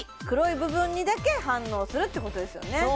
黒い部分にだけ反応するってことですよね